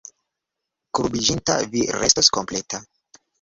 Kurbiĝinta vi restos kompleta.